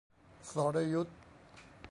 สรยุทธ